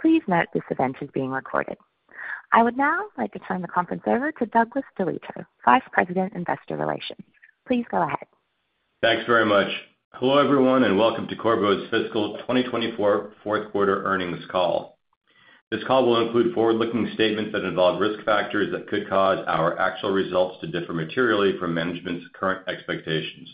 Please note this event is being recorded. I would now like to turn the conference over to Douglas DeLieto, Vice President Investor Relations. Please go ahead. Thanks very much. Hello everyone, and welcome to Qorvo's fiscal 2024 fourth quarter earnings call. This call will include forward-looking statements that involve risk factors that could cause our actual results to differ materially from management's current expectations.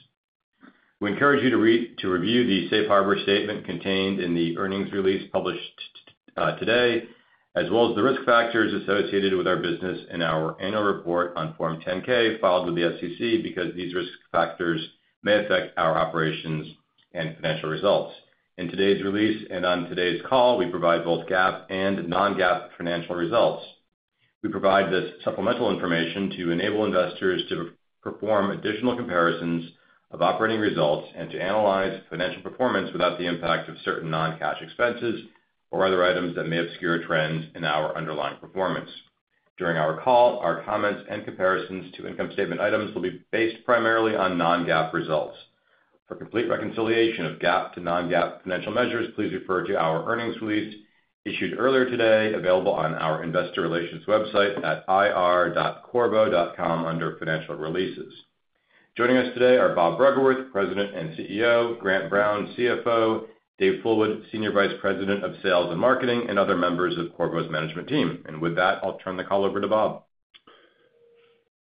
We encourage you to review the Safe Harbor Statement contained in the earnings release published today, as well as the risk factors associated with our business in our annual report on Form 10-K filed with the SEC because these risk factors may affect our operations and financial results. In today's release and on today's call, we provide both GAAP and non-GAAP financial results. We provide this supplemental information to enable investors to perform additional comparisons of operating results and to analyze financial performance without the impact of certain non-cash expenses or other items that may obscure trends in our underlying performance. During our call, our comments and comparisons to income statement items will be based primarily on non-GAAP results. For complete reconciliation of GAAP to non-GAAP financial measures, please refer to our earnings release issued earlier today available on our investor relations website at ir.qorvo.com under Financial Releases. Joining us today are Bob Bruggeworth, President and CEO; Grant Brown, CFO; Dave Fullwood, Senior Vice President of Sales and Marketing; and other members of Qorvo's management team. With that, I'll turn the call over to Bob.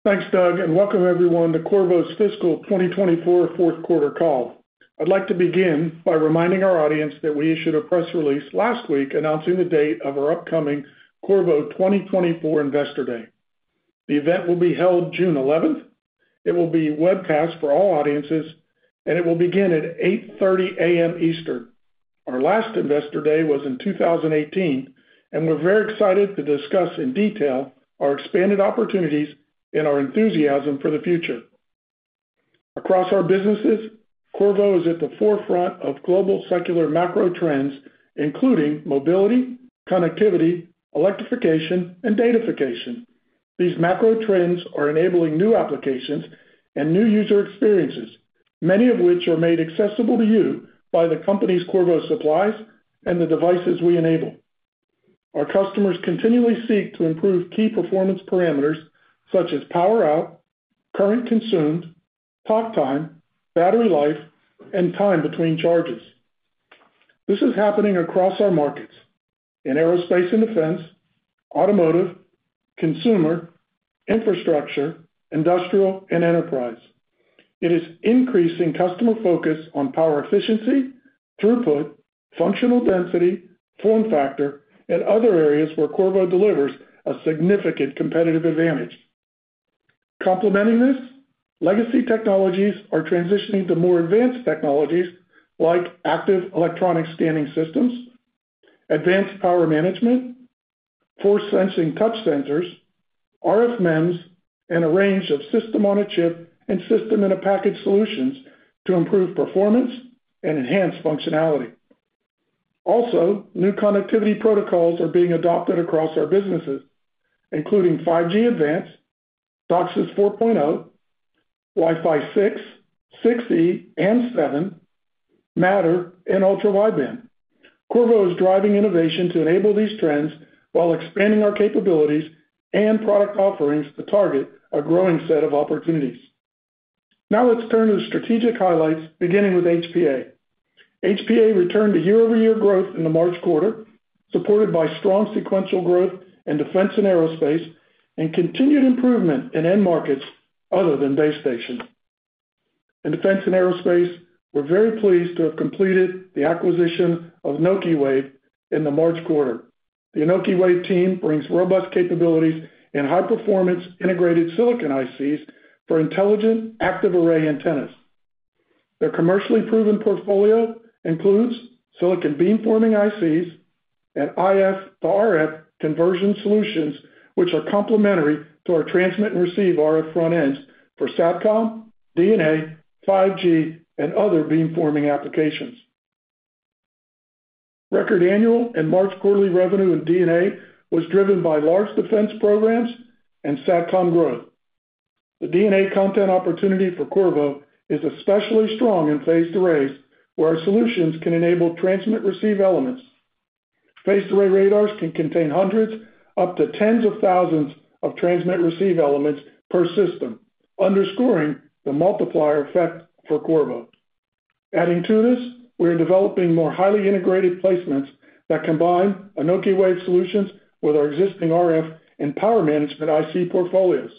Thanks, Doug, and welcome everyone to Qorvo's fiscal 2024 fourth quarter call. I'd like to begin by reminding our audience that we issued a press release last week announcing the date of our upcoming Qorvo 2024 Investor Day. The event will be held June 11th. It will be webcast for all audiences, and it will begin at 8:30 A.M. Eastern. Our last Investor Day was in 2018, and we're very excited to discuss in detail our expanded opportunities and our enthusiasm for the future. Across our businesses, Qorvo is at the forefront of global secular macro trends, including mobility, connectivity, electrification, and datafication. These macro trends are enabling new applications and new user experiences, many of which are made accessible to you by the company's Qorvo supplies and the devices we enable. Our customers continually seek to improve key performance parameters such as power out, current consumed, talk time, battery life, and time between charges. This is happening across our markets in aerospace and defense, automotive, consumer, infrastructure, industrial, and enterprise. It is increasing customer focus on power efficiency, throughput, functional density, form factor, and other areas where Qorvo delivers a significant competitive advantage. Complementing this, legacy technologies are transitioning to more advanced technologies like active electronic scanning systems, advanced power management, force sensing touch sensors, RF MEMS, and a range of system-on-a-chip and system-in-a-package solutions to improve performance and enhance functionality. Also, new connectivity protocols are being adopted across our businesses, including 5G Advanced, DOCSIS 4.0, Wi-Fi 6, 6E, and 7, Matter, and ultra-wideband. Qorvo is driving innovation to enable these trends while expanding our capabilities and product offerings to target a growing set of opportunities. Now let's turn to the strategic highlights, beginning with HPA. HPA returned to year-over-year growth in the March quarter, supported by strong sequential growth in defense and aerospace and continued improvement in end markets other than base station. In defense and aerospace, we're very pleased to have completed the acquisition of Anokiwave in the March quarter. The Anokiwave team brings robust capabilities and high-performance integrated silicon ICs for intelligent active array antennas. Their commercially proven portfolio includes silicon beamforming ICs and IF to RF conversion solutions, which are complementary to our transmit and receive RF front ends for SATCOM, D&A, 5G, and other beamforming applications. Record annual and March quarterly revenue in D&A was driven by large defense programs and SATCOM growth. The D&A content opportunity for Qorvo is especially strong in phased arrays, where our solutions can enable transmit-receive elements. Phased array radars can contain hundreds up to tens of thousands of transmit-receive elements per system, underscoring the multiplier effect for Qorvo. Adding to this, we are developing more highly integrated placements that combine Anokiwave solutions with our existing RF and power management IC portfolios.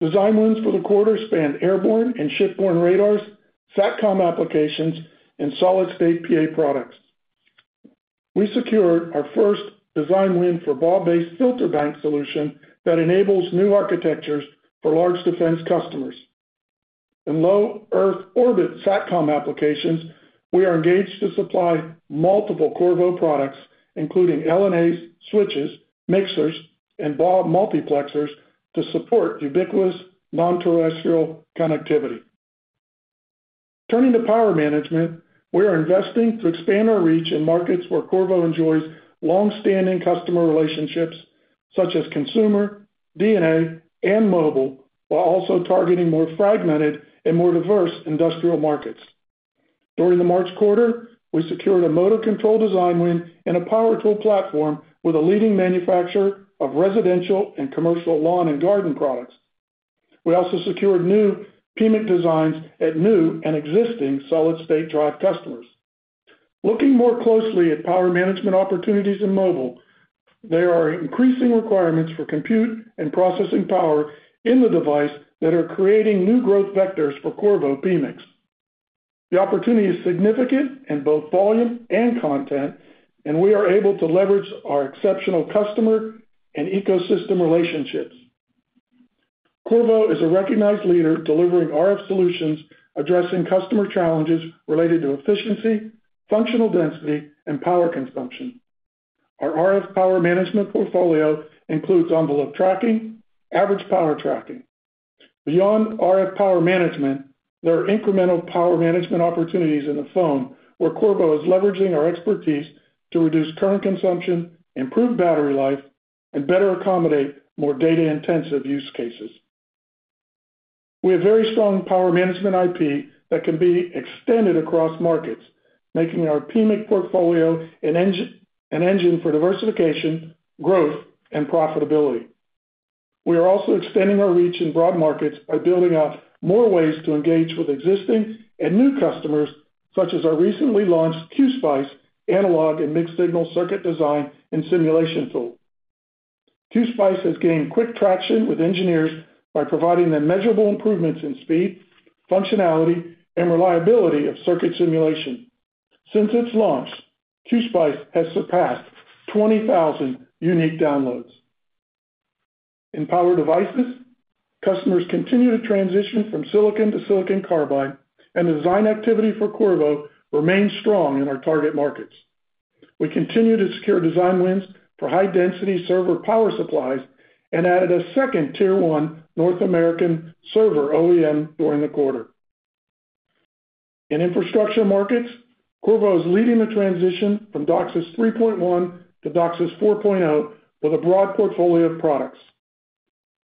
Design wins for the quarter spanned airborne and shipborne radars, SATCOM applications, and solid-state PA products. We secured our first design win for BAW-based filter bank solution that enables new architectures for large defense customers. In low Earth orbit SATCOM applications, we are engaged to supply multiple Qorvo products, including LNAs, switches, mixers, and BAW multiplexers to support ubiquitous non-terrestrial connectivity. Turning to power management, we are investing to expand our reach in markets where Qorvo enjoys longstanding customer relationships such as consumer, D&A, and mobile, while also targeting more fragmented and more diverse industrial markets. During the March quarter, we secured a motor control design win in a power tool platform with a leading manufacturer of residential and commercial lawn and garden products. We also secured new PMIC designs at new and existing solid-state drive customers. Looking more closely at power management opportunities in mobile, there are increasing requirements for compute and processing power in the device that are creating new growth vectors for Qorvo PMICs. The opportunity is significant in both volume and content, and we are able to leverage our exceptional customer and ecosystem relationships. Qorvo is a recognized leader delivering RF solutions addressing customer challenges related to efficiency, functional density, and power consumption. Our RF power management portfolio includes envelope tracking and average power tracking. Beyond RF power management, there are incremental power management opportunities in the phone, where Qorvo is leveraging our expertise to reduce current consumption, improve battery life, and better accommodate more data-intensive use cases. We have very strong power management IP that can be extended across markets, making our PMIC portfolio an engine for diversification, growth, and profitability. We are also extending our reach in broad markets by building out more ways to engage with existing and new customers, such as our recently launched QSPICE analog and mixed-signal circuit design and simulation tool. QSPICE has gained quick traction with engineers by providing them measurable improvements in speed, functionality, and reliability of circuit simulation. Since its launch, QSPICE has surpassed 20,000 unique downloads. In power devices, customers continue to transition from silicon to silicon carbide, and the design activity for Qorvo remains strong in our target markets. We continue to secure design wins for high-density server power supplies and added a second Tier 1 North American server OEM during the quarter. In infrastructure markets, Qorvo is leading the transition from DOCSIS 3.1 to DOCSIS 4.0 with a broad portfolio of products.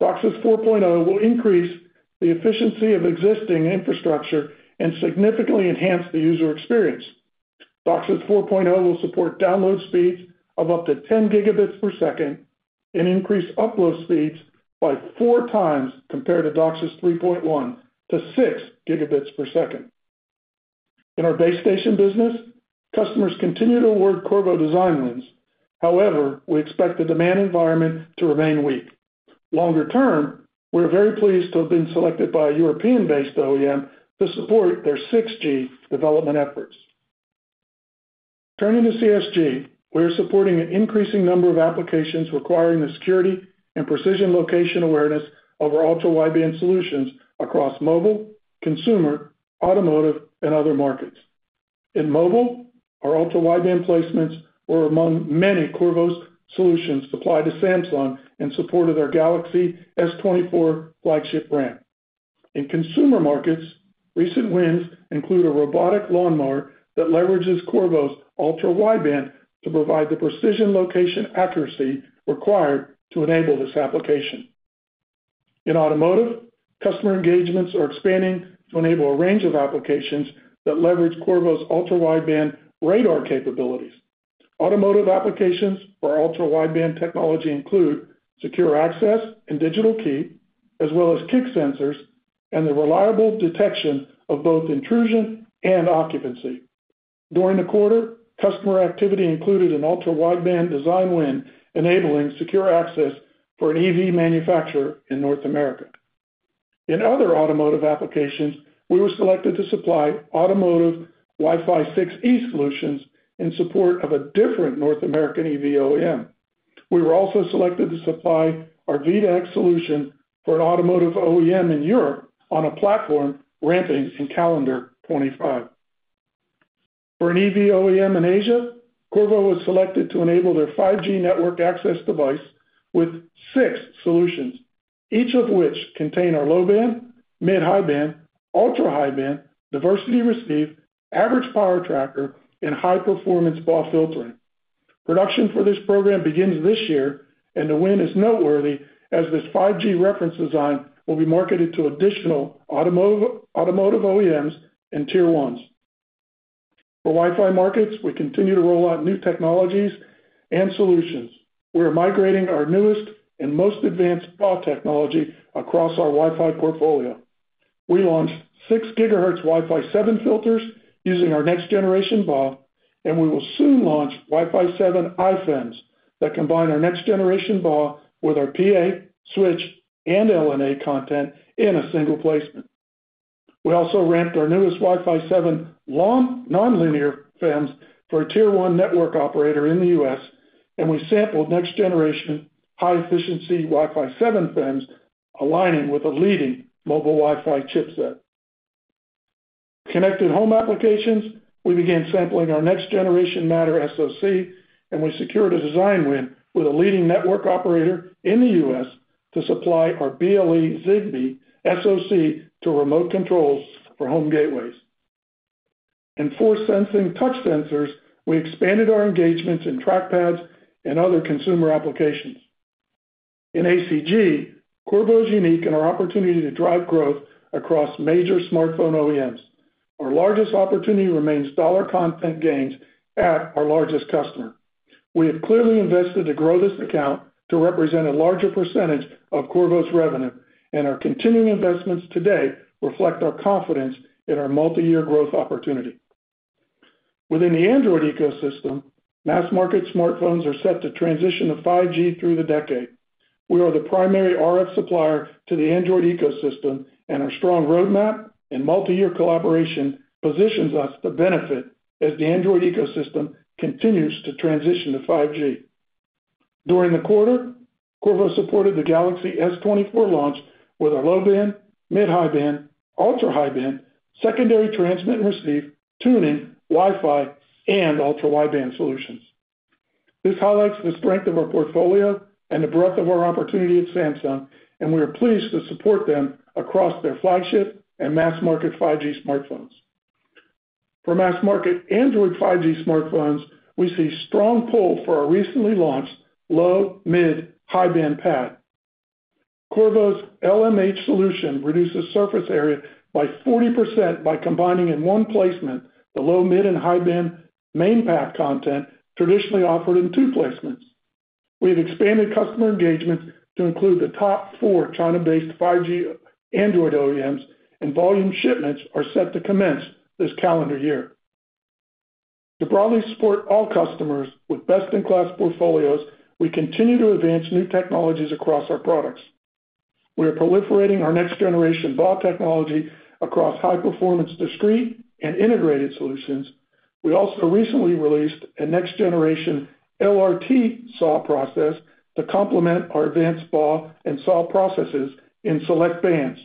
DOCSIS 4.0 will increase the efficiency of existing infrastructure and significantly enhance the user experience. DOCSIS 4.0 will support download speeds of up to 10 Gbps and increase upload speeds by four times compared to DOCSIS 3.1 to 6 Gbps. In our base station business, customers continue to award Qorvo design wins. However, we expect the demand environment to remain weak. Longer term, we are very pleased to have been selected by a European-based OEM to support their 6G development efforts. Turning to CSG, we are supporting an increasing number of applications requiring the security and precision location awareness of our ultra-wideband solutions across mobile, consumer, automotive, and other markets. In mobile, our ultra-wideband placements were among many Qorvo's solutions supplied to Samsung in support of their Galaxy S24 flagship brand. In consumer markets, recent wins include a robotic lawn mower that leverages Qorvo's ultra-wideband to provide the precision location accuracy required to enable this application. In automotive, customer engagements are expanding to enable a range of applications that leverage Qorvo's ultra-wideband radar capabilities. Automotive applications for ultra-wideband technology include secure access and digital key, as well as kick sensors and the reliable detection of both intrusion and occupancy. During the quarter, customer activity included an ultra-wideband design win enabling secure access for an EV manufacturer in North America. In other automotive applications, we were selected to supply automotive Wi-Fi 6E solutions in support of a different North American EV OEM. We were also selected to supply our V2X solution for an automotive OEM in Europe on a platform ramping in calendar 2025. For an EV OEM in Asia, Qorvo was selected to enable their 5G network access device with six solutions, each of which contains our low band, mid-high band, ultra-high band, diversity receive, average power tracking, and high-performance BAW filtering. Production for this program begins this year, and the win is noteworthy as this 5G reference design will be marketed to additional automotive OEMs in Tier 1s. For Wi-Fi markets, we continue to roll out new technologies and solutions. We are migrating our newest and most advanced BAW technology across our Wi-Fi portfolio. We launched 6 GHz Wi-Fi 7 filters using our next-generation BAW, and we will soon launch Wi-Fi 7 iFEMs that combine our next-generation BAW with our PA, switch, and LNA content in a single placement. We also ramped our newest Wi-Fi 7 nonlinear FEMs for a Tier 1 network operator in the US, and we sampled next-generation high-efficiency Wi-Fi 7 FEMs aligning with a leading mobile Wi-Fi chipset. Connected home applications, we began sampling our next-generation Matter SoC, and we secured a design win with a leading network operator in the US to supply our BLE Zigbee SoC to remote controls for home gateways. In force sensing touch sensors, we expanded our engagements in trackpads and other consumer applications. In ACG, Qorvo is unique in our opportunity to drive growth across major smartphone OEMs. Our largest opportunity remains dollar content gains at our largest customer. We have clearly invested to grow this account to represent a larger percentage of Qorvo's revenue, and our continuing investments today reflect our confidence in our multi-year growth opportunity. Within the Android ecosystem, mass market smartphones are set to transition to 5G through the decade. We are the primary RF supplier to the Android ecosystem, and our strong roadmap and multi-year collaboration positions us to benefit as the Android ecosystem continues to transition to 5G. During the quarter, Qorvo supported the Galaxy S24 launch with our low band, mid-high band, ultra-high band, secondary transmit and receive, tuning, Wi-Fi, and ultrawideband solutions. This highlights the strength of our portfolio and the breadth of our opportunity at Samsung, and we are pleased to support them across their flagship and mass market 5G smartphones. For mass market Android 5G smartphones, we see strong pull for our recently launched low, mid, high band path. Qorvo's LMH solution reduces surface area by 40% by combining in one placement the low, mid, and high band main path content traditionally offered in two placements. We have expanded customer engagements to include the top four China-based 5G Android OEMs, and volume shipments are set to commence this calendar year. To broadly support all customers with best-in-class portfolios, we continue to advance new technologies across our products. We are proliferating our next-generation BAW technology across high-performance discrete and integrated solutions. We also recently released a next-generation LRT SAW process to complement our advanced BAW and SAW processes in select bands.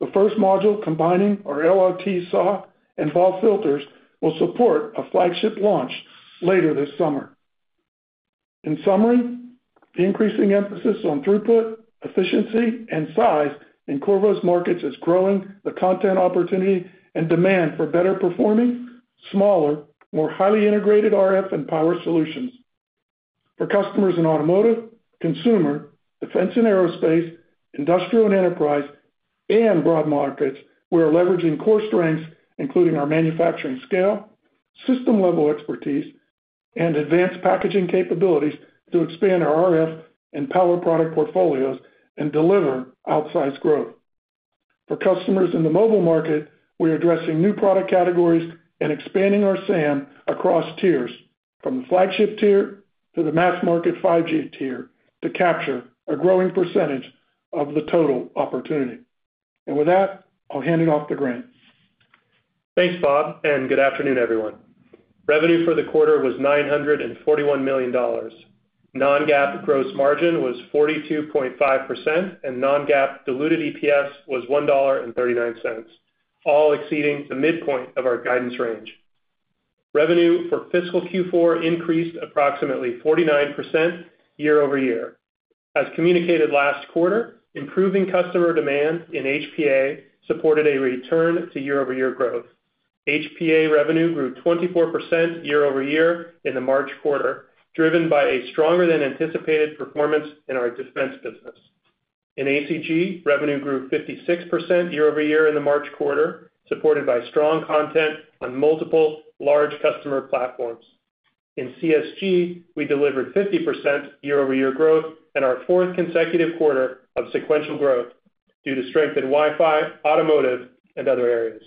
The first module combining our LRT SAW and BAW filters will support a flagship launch later this summer. In summary, the increasing emphasis on throughput, efficiency, and size in Qorvo's markets is growing the content opportunity and demand for better performing, smaller, more highly integrated RF and power solutions. For customers in automotive, consumer, defense and aerospace, industrial and enterprise, and broad markets, we are leveraging core strengths, including our manufacturing scale, system-level expertise, and advanced packaging capabilities to expand our RF and power product portfolios and deliver outsized growth. For customers in the mobile market, we are addressing new product categories and expanding our SAM across tiers from the flagship tier to the mass market 5G tier to capture a growing percentage of the total opportunity. With that, I'll hand it off to Grant. Thanks, Bob, and good afternoon, everyone. Revenue for the quarter was $941 million. Non-GAAP gross margin was 42.5%, and non-GAAP diluted EPS was $1.39, all exceeding the midpoint of our guidance range. Revenue for fiscal Q4 increased approximately 49% year-over-year. As communicated last quarter, improving customer demand in HPA supported a return to year-over-year growth. HPA revenue grew 24% year-over-year in the March quarter, driven by a stronger-than-anticipated performance in our defense business. In ACG, revenue grew 56% year-over-year in the March quarter, supported by strong content on multiple large customer platforms. In CSG, we delivered 50% year-over-year growth and our fourth consecutive quarter of sequential growth due to strength in Wi-Fi, automotive, and other areas.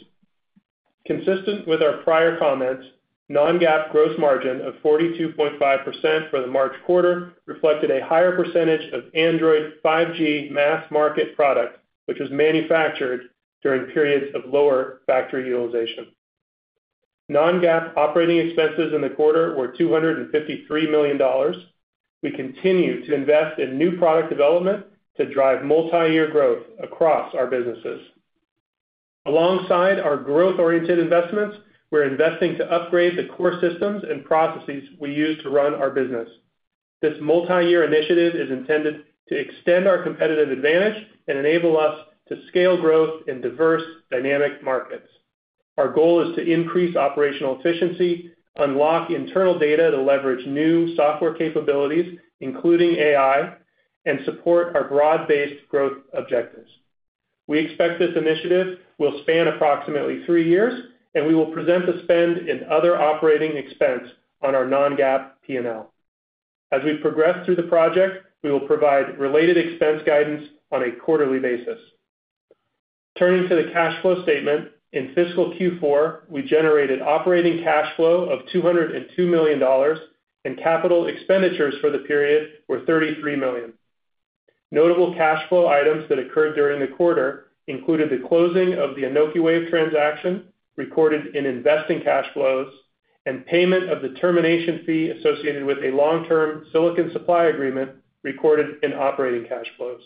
Consistent with our prior comments, non-GAAP gross margin of 42.5% for the March quarter reflected a higher percentage of Android 5G mass market product, which was manufactured during periods of lower factory utilization. Non-GAAP operating expenses in the quarter were $253 million. We continue to invest in new product development to drive multi-year growth across our businesses. Alongside our growth-oriented investments, we're investing to upgrade the core systems and processes we use to run our business. This multi-year initiative is intended to extend our competitive advantage and enable us to scale growth in diverse, dynamic markets. Our goal is to increase operational efficiency, unlock internal data to leverage new software capabilities, including AI, and support our broad-based growth objectives. We expect this initiative will span approximately three years, and we will present the spend in other operating expense on our non-GAAP P&L. As we progress through the project, we will provide related expense guidance on a quarterly basis. Turning to the cash flow statement, in fiscal Q4, we generated operating cash flow of $202 million, and capital expenditures for the period were $33 million. Notable cash flow items that occurred during the quarter included the closing of the Anokiwave transaction recorded in investing cash flows and payment of the termination fee associated with a long-term silicon supply agreement recorded in operating cash flows.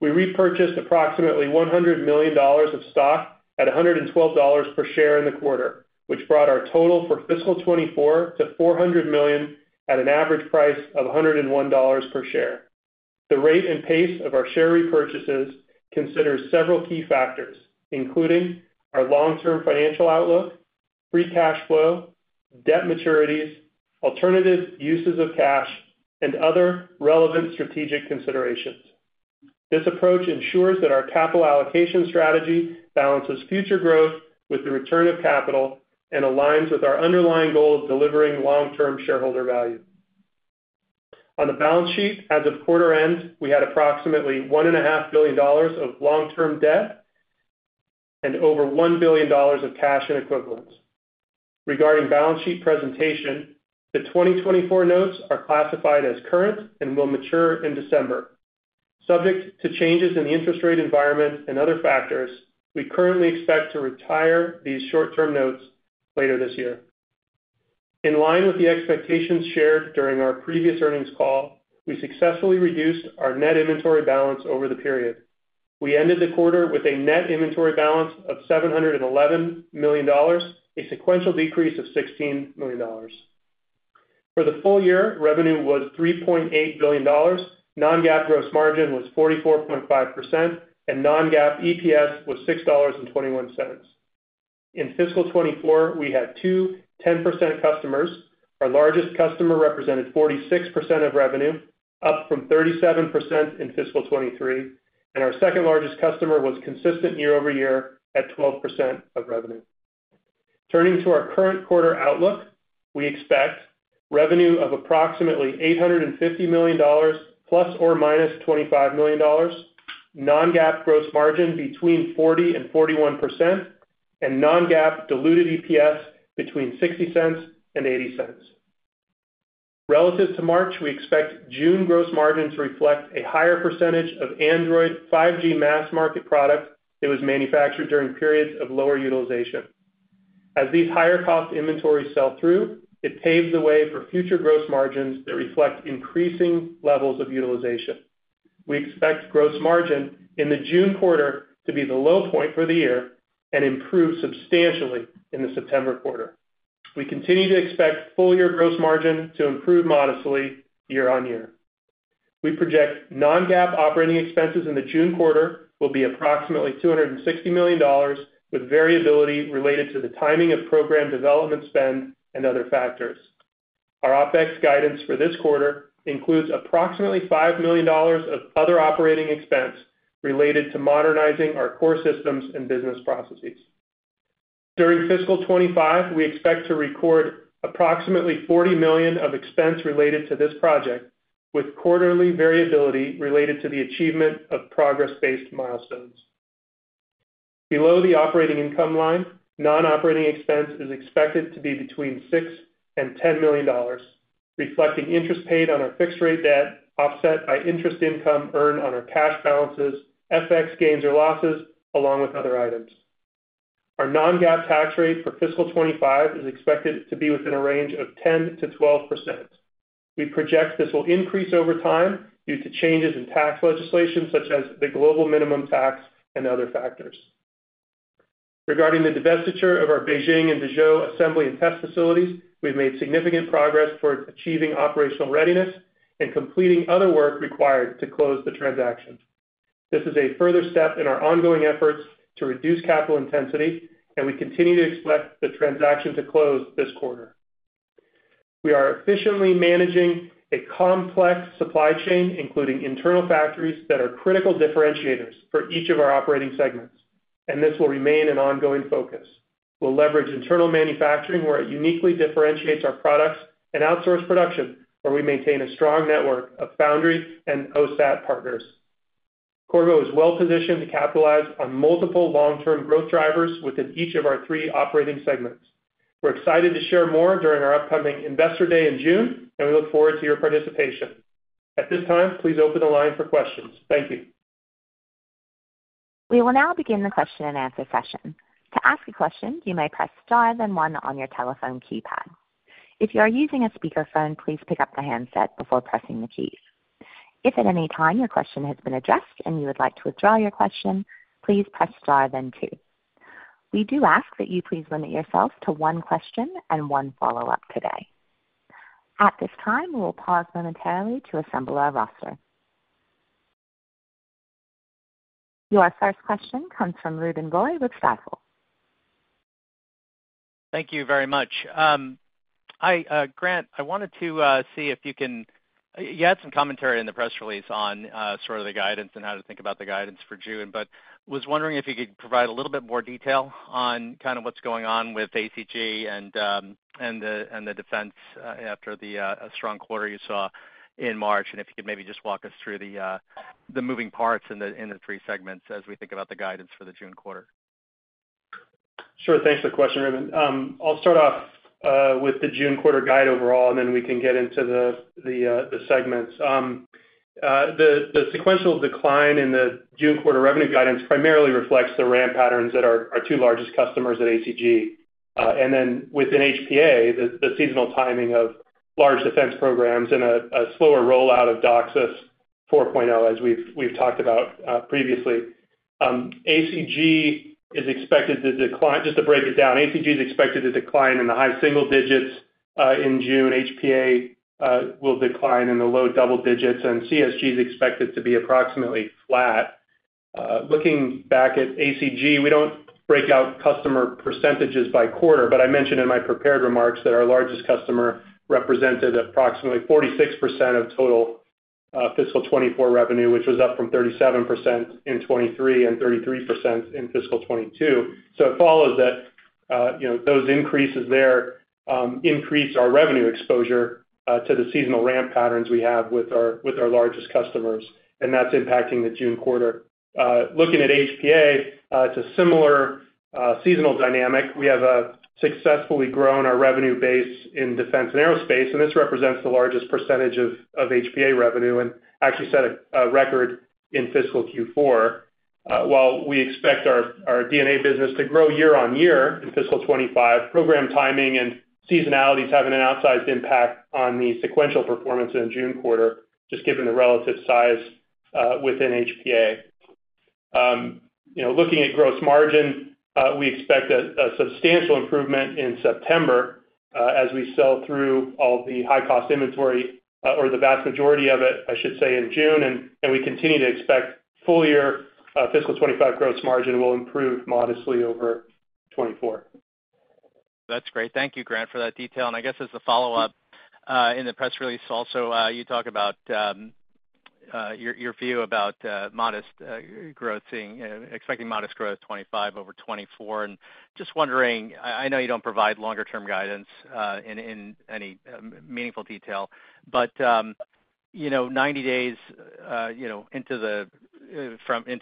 We repurchased approximately $100 million of stock at $112 per share in the quarter, which brought our total for fiscal 2024 to $400 million at an average price of $101 per share. The rate and pace of our share repurchases considers several key factors, including our long-term financial outlook, free cash flow, debt maturities, alternative uses of cash, and other relevant strategic considerations. This approach ensures that our capital allocation strategy balances future growth with the return of capital and aligns with our underlying goal of delivering long-term shareholder value. On the balance sheet, as of quarter end, we had approximately $1.5 billion of long-term debt and over $1 billion of cash and equivalents. Regarding balance sheet presentation, the 2024 notes are classified as current and will mature in December. Subject to changes in the interest rate environment and other factors, we currently expect to retire these short-term notes later this year. In line with the expectations shared during our previous earnings call, we successfully reduced our net inventory balance over the period. We ended the quarter with a net inventory balance of $711 million, a sequential decrease of $16 million. For the full year, revenue was $3.8 billion, non-GAAP gross margin was 44.5%, and non-GAAP EPS was $6.21. In fiscal 2024, we had two 10% customers. Our largest customer represented 46% of revenue, up from 37% in fiscal 2023, and our second largest customer was consistent year over year at 12% of revenue. Turning to our current quarter outlook, we expect revenue of approximately $850 million ± $25 million, non-GAAP gross margin between 40%-41%, and non-GAAP diluted EPS between $0.60-$0.80. Relative to March, we expect June gross margin to reflect a higher percentage of Android 5G mass market product that was manufactured during periods of lower utilization. As these higher-cost inventories sell through, it paves the way for future gross margins that reflect increasing levels of utilization. We expect gross margin in the June quarter to be the low point for the year and improve substantially in the September quarter. We continue to expect full-year gross margin to improve modestly year-over-year. We project non-GAAP operating expenses in the June quarter will be approximately $260 million with variability related to the timing of program development spend and other factors. Our OpEx guidance for this quarter includes approximately $5 million of other operating expense related to modernizing our core systems and business processes. During fiscal 2025, we expect to record approximately $40 million of expense related to this project with quarterly variability related to the achievement of progress-based milestones. Below the operating income line, non-operating expense is expected to be between $6 and $10 million, reflecting interest paid on our fixed-rate debt offset by interest income earned on our cash balances, FX gains or losses, along with other items. Our non-GAAP tax rate for fiscal 2025 is expected to be within a range of 10%-12%. We project this will increase over time due to changes in tax legislation such as the global minimum tax and other factors. Regarding the divestiture of our Beijing and Dijon assembly and test facilities, we've made significant progress towards achieving operational readiness and completing other work required to close the transaction. This is a further step in our ongoing efforts to reduce capital intensity, and we continue to expect the transaction to close this quarter. We are efficiently managing a complex supply chain, including internal factories that are critical differentiators for each of our operating segments, and this will remain an ongoing focus. We'll leverage internal manufacturing where it uniquely differentiates our products and outsource production, where we maintain a strong network of foundry and OSAT partners. Qorvo is well positioned to capitalize on multiple long-term growth drivers within each of our three operating segments. We're excited to share more during our upcoming Investor Day in June, and we look forward to your participation. At this time, please open the line for questions. Thank you. We will now begin the question and answer session. "To ask a question, you may press star then one" on your telephone keypad. If you are using a speakerphone, please pick up the handset before pressing the keys. If at any time your question has been addressed and you would like to withdraw your question, "please press star then two". We do ask that you please limit yourself to one question and one follow-up today. At this time, we will pause momentarily to assemble our roster. Your first question comes from Ruben Roy with Stifel. Thank you very much. Grant, I wanted to see if you had some commentary in the press release on sort of the guidance and how to think about the guidance for June, but was wondering if you could provide a little bit more detail on kind of what's going on with ACG and the defense after a strong quarter you saw in March, and if you could maybe just walk us through the moving parts in the three segments as we think about the guidance for the June quarter. Sure. Thanks for the question, Ruben. I'll start off with the June quarter guide overall, and then we can get into the segments. The sequential decline in the June quarter revenue guidance primarily reflects the ramp patterns that are our two largest customers at ACG. And then within HPA, the seasonal timing of large defense programs and a slower rollout of DOCSIS 4.0, as we've talked about previously. ACG is expected to decline just to break it down. ACG is expected to decline in the high single digits in June. HPA will decline in the low double digits, and CSG is expected to be approximately flat. Looking back at ACG, we don't break out customer percentages by quarter, but I mentioned in my prepared remarks that our largest customer represented approximately 46% of total fiscal 2024 revenue, which was up from 37% in 2023 and 33% in fiscal 2022. So it follows that those increases there increase our revenue exposure to the seasonal ramp patterns we have with our largest customers, and that's impacting the June quarter. Looking at HPA, it's a similar seasonal dynamic. We have successfully grown our revenue base in defense and aerospace, and this represents the largest percentage of HPA revenue and actually set a record in fiscal Q4. While we expect our DNA business to grow year-over-year in fiscal 2025, program timing and seasonalities have an outsized impact on the sequential performance in June quarter, just given the relative size within HPA. Looking at gross margin, we expect a substantial improvement in September as we sell through all the high-cost inventory or the vast majority of it, I should say, in June. And we continue to expect full-year fiscal 2025 gross margin will improve modestly over 2024. That's great. Thank you, Grant, for that detail. I guess as a follow-up in the press release, also, you talk about your view about expecting modest growth 2025 over 2024. Just wondering I know you don't provide longer-term guidance in any meaningful detail, but 90 days into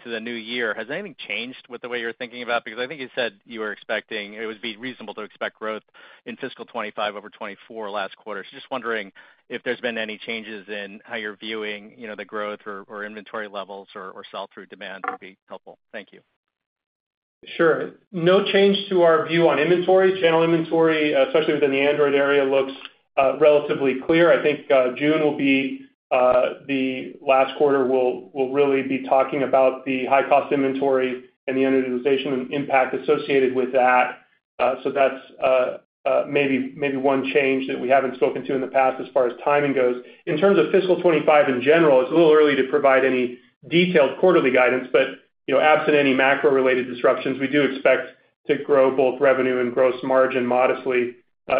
the new year, has anything changed with the way you're thinking about it? Because I think you said you were expecting it would be reasonable to expect growth in fiscal 2025 over 2024 last quarter. So just wondering if there's been any changes in how you're viewing the growth or inventory levels or sell-through demand would be helpful. Thank you. Sure. No change to our view on inventory. Channel inventory, especially within the Android area, looks relatively clear. I think June will be the last quarter we'll really be talking about the high-cost inventory and the utilization and impact associated with that. So that's maybe one change that we haven't spoken to in the past as far as timing goes. In terms of fiscal 2025 in general, it's a little early to provide any detailed quarterly guidance, but absent any macro-related disruptions, we do expect to grow both revenue and gross margin modestly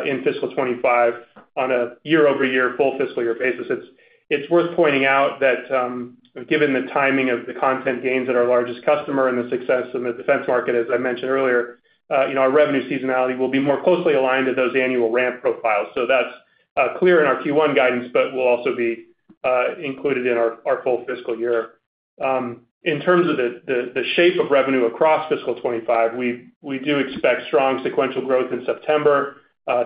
in fiscal 2025 on a year-over-year full fiscal year basis. It's worth pointing out that given the timing of the content gains at our largest customer and the success in the defense market, as I mentioned earlier, our revenue seasonality will be more closely aligned to those annual ramp profiles. That's clear in our Q1 guidance, but will also be included in our full fiscal year. In terms of the shape of revenue across fiscal 2025, we do expect strong sequential growth in September,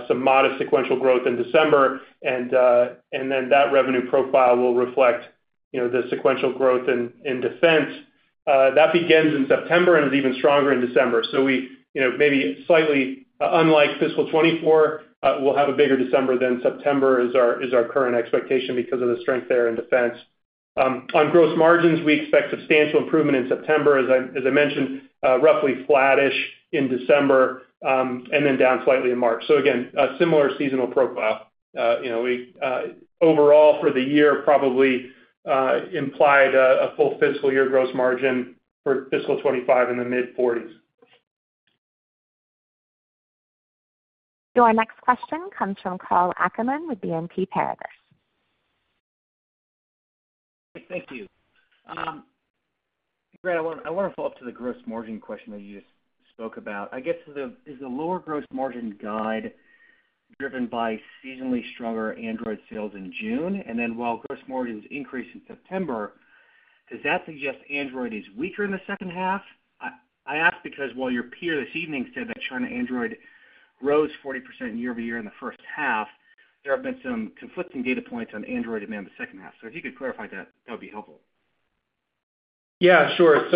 some modest sequential growth in December, and then that revenue profile will reflect the sequential growth in defense. That begins in September and is even stronger in December. So maybe slightly unlike fiscal 2024, we'll have a bigger December than September is our current expectation because of the strength there in defense. On gross margins, we expect substantial improvement in September, as I mentioned, roughly flat-ish in December, and then down slightly in March. So again, a similar seasonal profile. Overall for the year, probably implied a full fiscal year gross margin for fiscal 2025 in the mid-40s. Your next question comes from Karl Ackerman with BNP Paribas. Great. Thank you. Grant, I want to follow up to the gross margin question that you just spoke about. I guess is the lower gross margin guide driven by seasonally stronger Android sales in June? And then while gross margin is increased in September, does that suggest Android is weaker in the second half? I ask because while your peer this evening said that China Android rose 40% year-over-year in the first half, there have been some conflicting data points on Android demand the second half. So if you could clarify that, that would be helpful. Yeah, sure.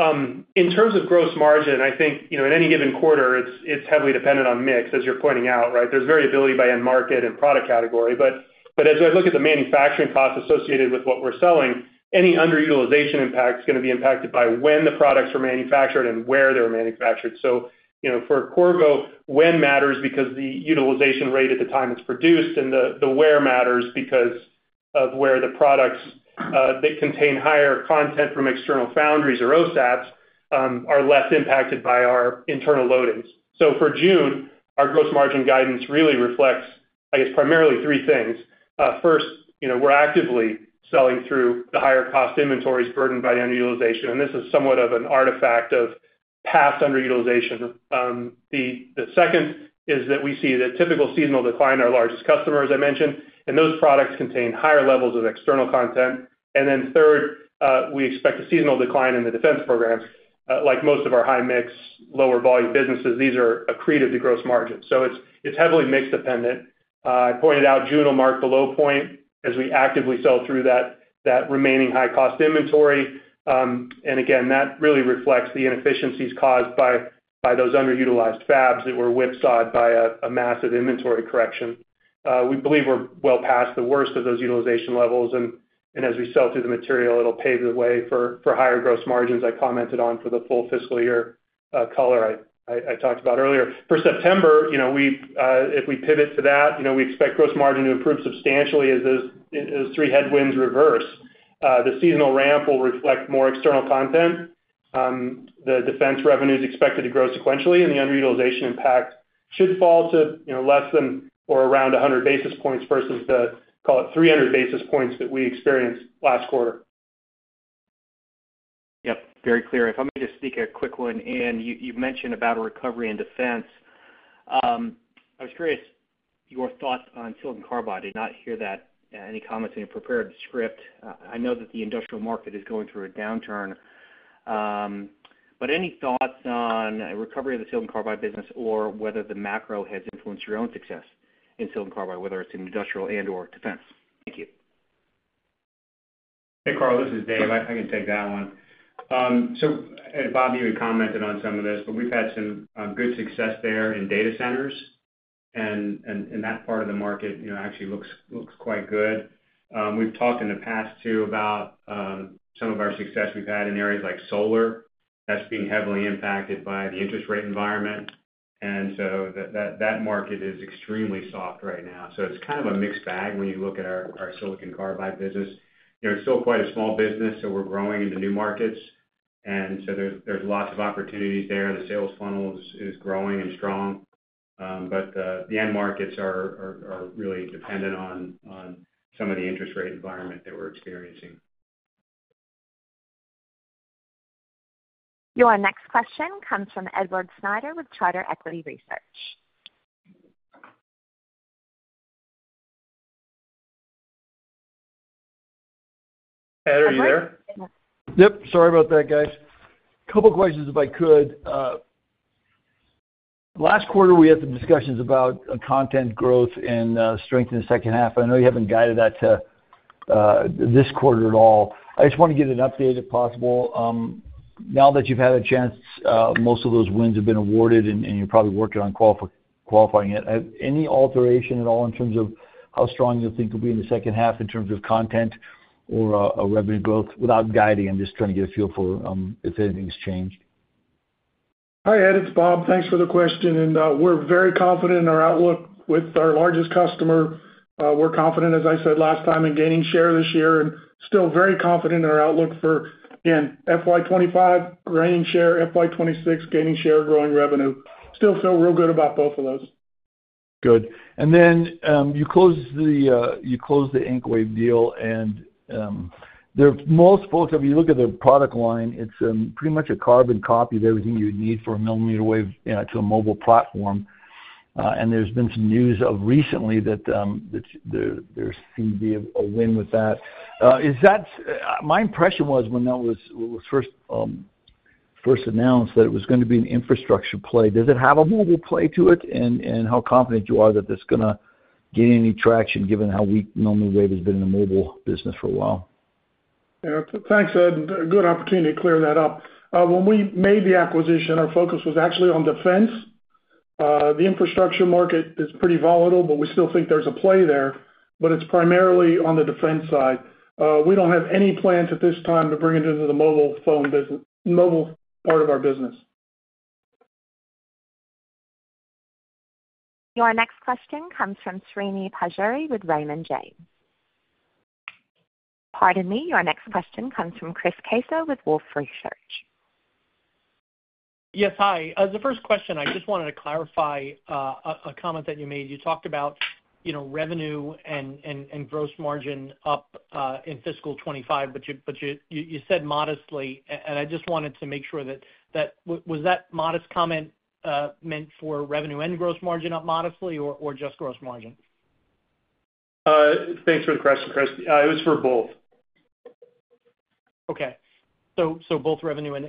So in terms of gross margin, I think in any given quarter, it's heavily dependent on mix, as you're pointing out, right? There's variability by end market and product category. But as I look at the manufacturing cost associated with what we're selling, any underutilization impact is going to be impacted by when the products were manufactured and where they were manufactured. So for Qorvo, when matters because the utilization rate at the time it's produced, and the where matters because of where the products that contain higher content from external foundries or OSATs are less impacted by our internal loadings. So for June, our gross margin guidance really reflects, I guess, primarily three things. First, we're actively selling through the higher-cost inventories burdened by underutilization, and this is somewhat of an artifact of past underutilization. The second is that we see the typical seasonal decline in our largest customer, as I mentioned, and those products contain higher levels of external content. And then third, we expect a seasonal decline in the defense programs. Like most of our high-mix, lower-volume businesses, these are accretive to gross margin. So it's heavily mixed-dependent. I pointed out June will mark the low point as we actively sell through that remaining high-cost inventory. And again, that really reflects the inefficiencies caused by those underutilized fabs that were whipsawed by a massive inventory correction. We believe we're well past the worst of those utilization levels. And as we sell through the material, it'll pave the way for higher gross margins, I commented on for the full fiscal year color I talked about earlier. For September, if we pivot to that, we expect gross margin to improve substantially as those three headwinds reverse. The seasonal ramp will reflect more external content. The defense revenue is expected to grow sequentially, and the underutilization impact should fall to less than or around 100 basis points versus the, call it, 300 basis points that we experienced last quarter. Yep, very clear. If I may just speak a quick one. And you mentioned about a recovery in defense. I was curious your thoughts on Silicon Carbide. I did not hear any comments in your prepared script. I know that the industrial market is going through a downturn, but any thoughts on recovery of the Silicon Carbide business or whether the macro has influenced your own success in Silicon Carbide, whether it's in industrial and/or defense? Thank you. Hey, Karl. This is Dave. I can take that one. So Bob, you had commented on some of this, but we've had some good success there in data centers, and that part of the market actually looks quite good. We've talked in the past too about some of our success we've had in areas like solar. That's being heavily impacted by the interest rate environment, and so that market is extremely soft right now. So it's kind of a mixed bag when you look at our Silicon Carbide business. It's still quite a small business, so we're growing into new markets. And so there's lots of opportunities there. The sales funnel is growing and strong, but the end markets are really dependent on some of the interest rate environment that we're experiencing. Your next question comes from Edward Snyder with Charter Equity Research. Edward, are you there? Yep. Sorry about that, guys. A couple of questions if I could. Last quarter, we had some discussions about content growth and strength in the second half. I know you haven't guided that to this quarter at all. I just want to get an update if possible. Now that you've had a chance, most of those wins have been awarded, and you're probably working on qualifying it. Any alteration at all in terms of how strong you think it'll be in the second half in terms of content or revenue growth? Without guiding, I'm just trying to get a feel for if anything's changed. Hi, Ed. It's Bob. Thanks for the question. We're very confident in our outlook with our largest customer. We're confident, as I said last time, in gaining share this year and still very confident in our outlook for, again, FY25 gaining share, FY26 gaining share, growing revenue. Still feel real good about both of those. Good. And then you closed the Anokiwave deal, and most folks, if you look at the product line, it's pretty much a carbon copy of everything you would need for a millimeter wave to a mobile platform. And there's been some news recently that there seemed to be a win with that. My impression was when that was first announced that it was going to be an infrastructure play. Does it have a mobile play to it? And how confident you are that that's going to gain any traction given how weak millimeter wave has been in the mobile business for a while? Thanks, Ed. Good opportunity to clear that up. When we made the acquisition, our focus was actually on defense. The infrastructure market is pretty volatile, but we still think there's a play there. But it's primarily on the defense side. We don't have any plans at this time to bring it into the mobile phone part of our business. Your next question comes from Srini Pajjuri with Raymond James. Pardon me. Your next question comes from Chris Caso with Wolfe Research. Yes, hi. As a first question, I just wanted to clarify a comment that you made. You talked about revenue and gross margin up in fiscal 2025, but you said modestly. And I just wanted to make sure that was that modest comment meant for revenue and gross margin up modestly or just gross margin? Thanks for the question, Chris. It was for both. Okay. So both revenue and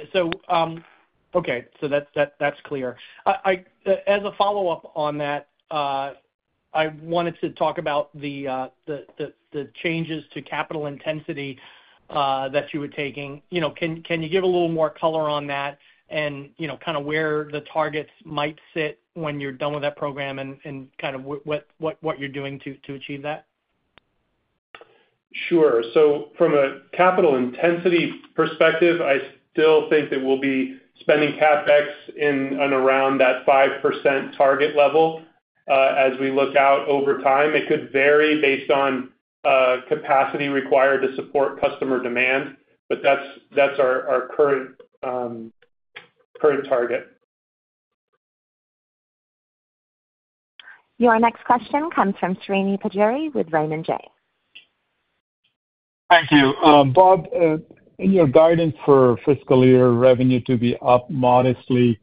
okay. So that's clear. As a follow-up on that, I wanted to talk about the changes to capital intensity that you were taking. Can you give a little more color on that and kind of where the targets might sit when you're done with that program and kind of what you're doing to achieve that? Sure. So from a capital intensity perspective, I still think that we'll be spending CapEx in and around that 5% target level as we look out over time. It could vary based on capacity required to support customer demand, but that's our current target. Your next question comes from Srini Pajjuri with Raymond James. Thank you. Bob, in your guidance for fiscal year, revenue to be up modestly.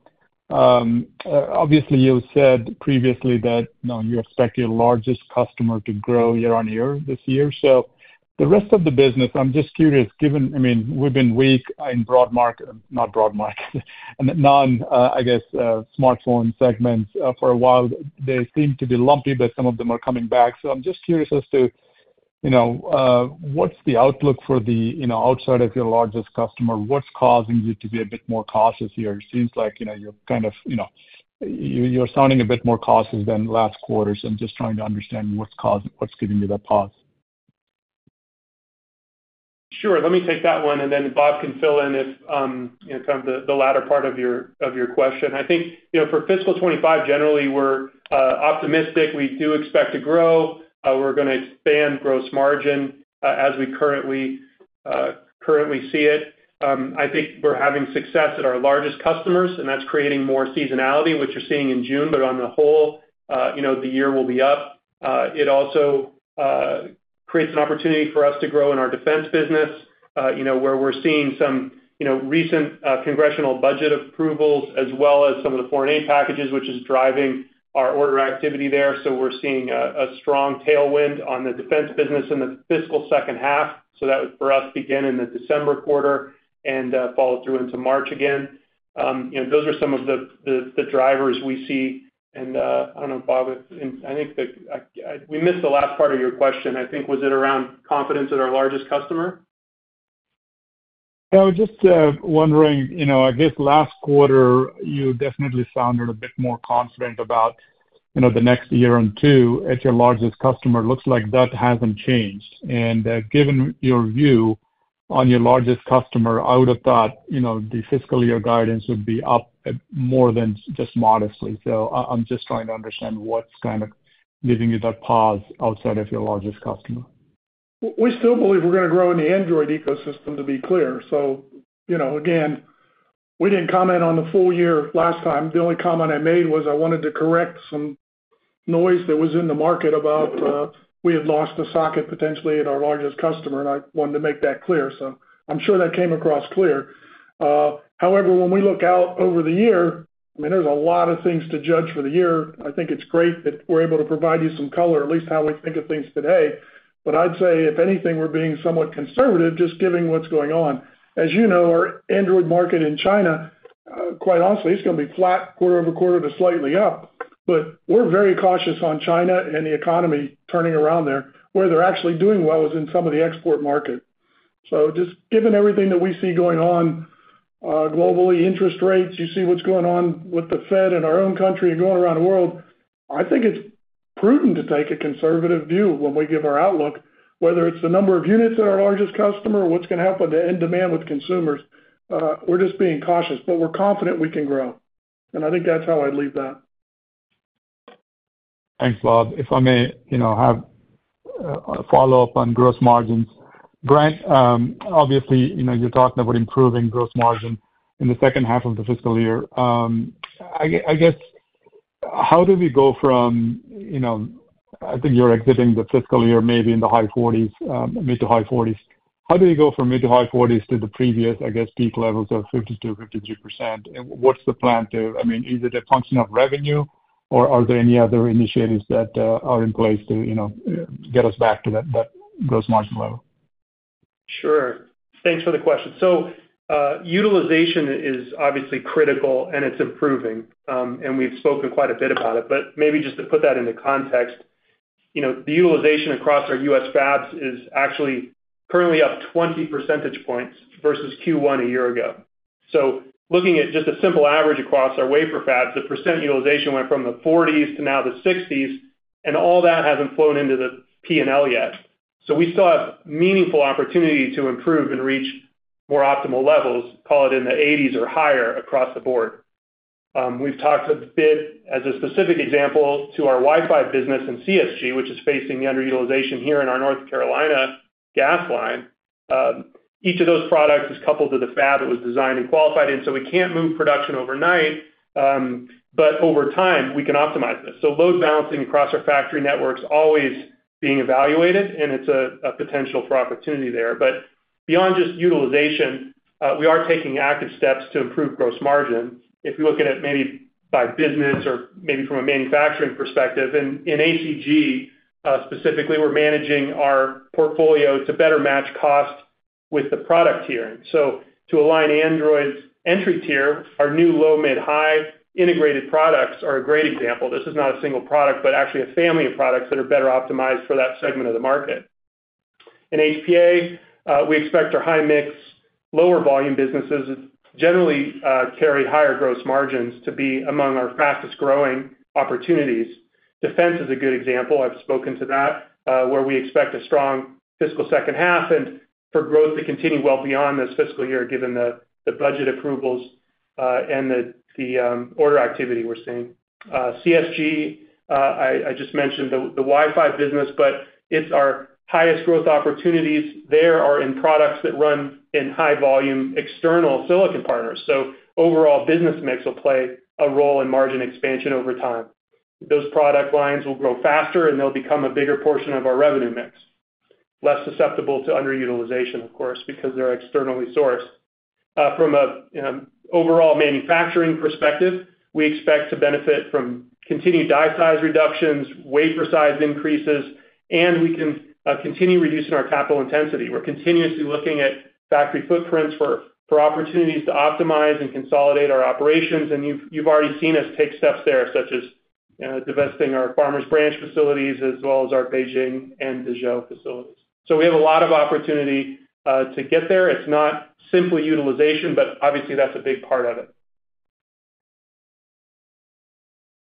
Obviously, you said previously that you expect your largest customer to grow year-on-year this year. So the rest of the business, I'm just curious. I mean, we've been weak in broad market, not broad market, non, I guess, smartphone segments for a while. They seem to be lumpy, but some of them are coming back. So I'm just curious as to what's the outlook for the outside of your largest customer? What's causing you to be a bit more cautious here? It seems like you're kind of you're sounding a bit more cautious than last quarters. I'm just trying to understand what's giving you that pause. Sure. Let me take that one, and then Bob can fill in if kind of the latter part of your question. I think for fiscal 2025, generally, we're optimistic. We do expect to grow. We're going to expand gross margin as we currently see it. I think we're having success at our largest customers, and that's creating more seasonality, which you're seeing in June. But on the whole, the year will be up. It also creates an opportunity for us to grow in our defense business where we're seeing some recent congressional budget approvals as well as some of the foreign aid packages, which is driving our order activity there. So we're seeing a strong tailwind on the defense business in the fiscal second half. So that would, for us, begin in the December quarter and follow through into March again. Those are some of the drivers we see. I don't know, Bob, if I think that we missed the last part of your question. I think, was it around confidence at our largest customer? Yeah. I was just wondering, I guess last quarter, you definitely sounded a bit more confident about the next year and two at your largest customer. It looks like that hasn't changed. And given your view on your largest customer, I would have thought the fiscal year guidance would be up more than just modestly. So I'm just trying to understand what's kind of giving you that pause outside of your largest customer. We still believe we're going to grow in the Android ecosystem, to be clear. So again, we didn't comment on the full year last time. The only comment I made was I wanted to correct some noise that was in the market about we had lost a socket potentially at our largest customer, and I wanted to make that clear. So I'm sure that came across clear. However, when we look out over the year, I mean, there's a lot of things to judge for the year. I think it's great that we're able to provide you some color, at least how we think of things today. But I'd say if anything, we're being somewhat conservative, just giving what's going on. As you know, our Android market in China, quite honestly, it's going to be flat quarter-over-quarter to slightly up. But we're very cautious on China and the economy turning around there. Where they're actually doing well is in some of the export market. So just given everything that we see going on globally, interest rates, you see what's going on with the Fed in our own country and going around the world. I think it's prudent to take a conservative view when we give our outlook, whether it's the number of units at our largest customer or what's going to happen to end demand with consumers. We're just being cautious, but we're confident we can grow. And I think that's how I'd leave that. Thanks, Bob. If I may have a follow-up on gross margins. Grant, obviously, you're talking about improving gross margin in the second half of the fiscal year. I guess, how do we go from I think you're exiting the fiscal year maybe in the high 40s, mid to high 40s. How do we go from mid to high 40s to the previous, I guess, peak levels of 52%-53%? What's the plan to I mean, is it a function of revenue, or are there any other initiatives that are in place to get us back to that gross margin level? Sure. Thanks for the question. So utilization is obviously critical, and it's improving. And we've spoken quite a bit about it. But maybe just to put that into context, the utilization across our U.S. fabs is actually currently up 20 percentage points versus Q1 a year ago. So looking at just a simple average across our wafer fabs, the % utilization went from the 40s to now the 60s, and all that hasn't flown into the P&L yet. So we still have meaningful opportunity to improve and reach more optimal levels, call it in the 80s or higher across the board. We've talked a bit as a specific example to our Wi-Fi business and CSG, which is facing the underutilization here in our North Carolina GaAs line. Each of those products is coupled to the fab that was designed and qualified in. So we can't move production overnight, but over time, we can optimize this. So load balancing across our factory networks is always being evaluated, and it's a potential for opportunity there. But beyond just utilization, we are taking active steps to improve gross margin. If we look at it maybe by business or maybe from a manufacturing perspective, in ACG specifically, we're managing our portfolio to better match cost with the product tiering. So to align Android's entry tier, our new low, mid, high integrated products are a great example. This is not a single product, but actually a family of products that are better optimized for that segment of the market. In HPA, we expect our high-mix, lower-volume businesses to generally carry higher gross margins to be among our fastest-growing opportunities. Defense is a good example. I've spoken to that where we expect a strong fiscal second half and for growth to continue well beyond this fiscal year given the budget approvals and the order activity we're seeing. CSG, I just mentioned the Wi-Fi business, but it's our highest growth opportunities. They are in products that run in high-volume external silicon partners. So overall, business mix will play a role in margin expansion over time. Those product lines will grow faster, and they'll become a bigger portion of our revenue mix, less susceptible to underutilization, of course, because they're externally sourced. From an overall manufacturing perspective, we expect to benefit from continued die size reductions, wafer size increases, and we can continue reducing our capital intensity. We're continuously looking at factory footprints for opportunities to optimize and consolidate our operations. You've already seen us take steps there, such as divesting our Farmers Branch facilities as well as our Beijing and Dijon facilities. We have a lot of opportunity to get there. It's not simply utilization, but obviously, that's a big part of it.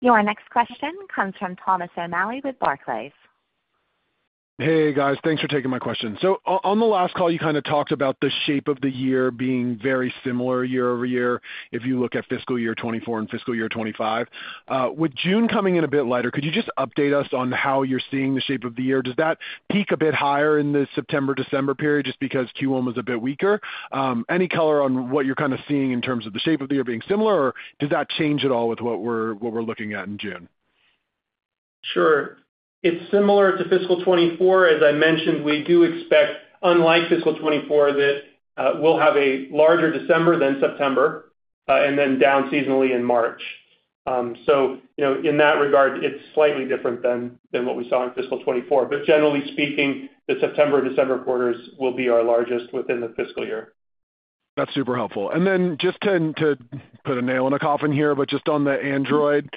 Your next question comes from Thomas O'Malley with Barclays. Hey, guys. Thanks for taking my question. So on the last call, you kind of talked about the shape of the year being very similar year over year if you look at fiscal year 2024 and fiscal year 2025. With June coming in a bit lighter, could you just update us on how you're seeing the shape of the year? Does that peak a bit higher in the September, December period just because Q1 was a bit weaker? Any color on what you're kind of seeing in terms of the shape of the year being similar, or does that change at all with what we're looking at in June? Sure. It's similar to fiscal 2024. As I mentioned, we do expect, unlike fiscal 2024, that we'll have a larger December than September and then down seasonally in March. So in that regard, it's slightly different than what we saw in fiscal 2024. But generally speaking, the September and December quarters will be our largest within the fiscal year. That's super helpful. And then just to put a nail in a coffin here, but just on the Android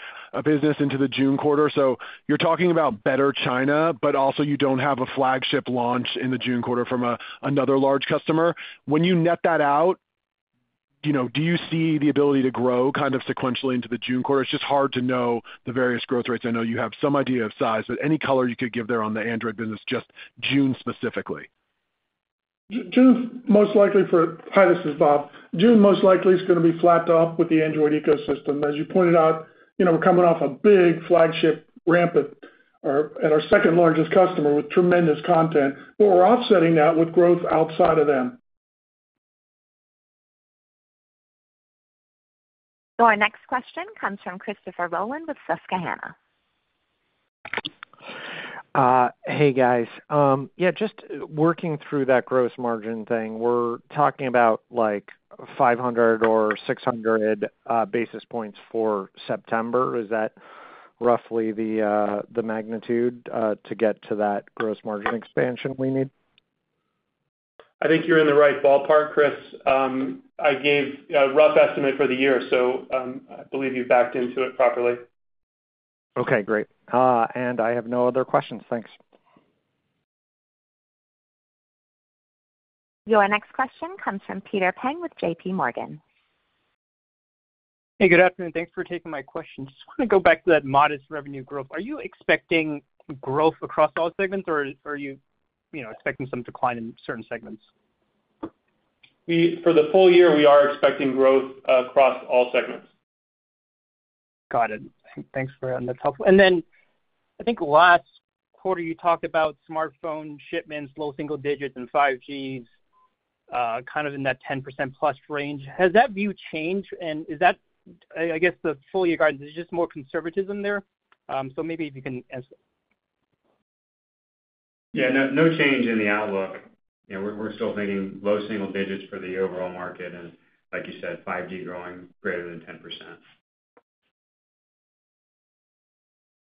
business into the June quarter, so you're talking about better China, but also you don't have a flagship launch in the June quarter from another large customer. When you net that out, do you see the ability to grow kind of sequentially into the June quarter? It's just hard to know the various growth rates. I know you have some idea of size, but any color you could give there on the Android business just June specifically? June, most likely for Hi, this is Bob. June most likely is going to be flat to up with the Android ecosystem. As you pointed out, we're coming off a big flagship ramp at our second largest customer with tremendous content, but we're offsetting that with growth outside of them. Your next question comes from Christopher Rolland with Susquehanna. Hey, guys. Yeah, just working through that gross margin thing, we're talking about like 500 or 600 basis points for September. Is that roughly the magnitude to get to that gross margin expansion we need? I think you're in the right ballpark, Chris. I gave a rough estimate for the year, so I believe you've backed into it properly. Okay. Great. And I have no other questions. Thanks. Your next question comes from Peter Peng with J.P. Morgan. Hey, good afternoon. Thanks for taking my question. Just want to go back to that modest revenue growth. Are you expecting growth across all segments, or are you expecting some decline in certain segments? For the full year, we are expecting growth across all segments. Got it. Thanks, Grant. That's helpful. And then I think last quarter, you talked about smartphone shipments, low single digits, and 5G's kind of in that 10%-plus range. Has that view changed, and is that I guess the full year guidance, is it just more conservatism there? So maybe if you can answer. Yeah. No change in the outlook. We're still thinking low single digits for the overall market and, like you said, 5G growing greater than 10%.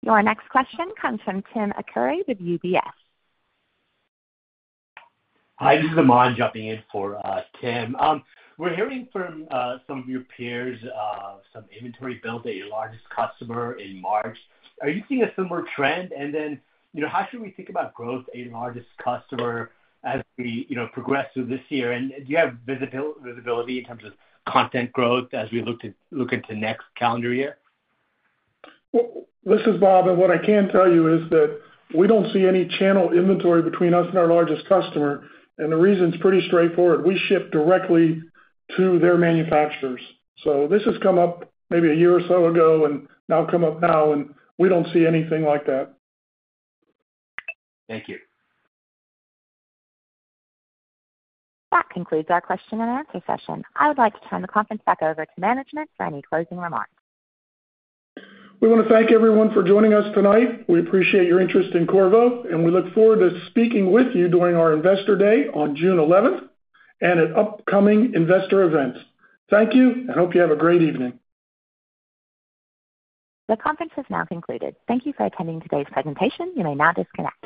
Your next question comes from Tim Arcuri with UBS. Hi. This is Aman jumping in for Tim. We're hearing from some of your peers some inventory build at your largest customer in March. Are you seeing a similar trend? And then how should we think about growth at your largest customer as we progress through this year? And do you have visibility in terms of content growth as we look into next calendar year? This is Bob. What I can tell you is that we don't see any channel inventory between us and our largest customer. The reason is pretty straightforward. We ship directly to their manufacturers. This has come up maybe a year or so ago and now come up now, and we don't see anything like that. Thank you. That concludes our question and answer session. I would like to turn the conference back over to management for any closing remarks. We want to thank everyone for joining us tonight. We appreciate your interest in Qorvo, and we look forward to speaking with you during our investor day on June 11th and at upcoming investor events. Thank you, and hope you have a great evening. The conference has now concluded. Thank you for attending today's presentation. You may now disconnect.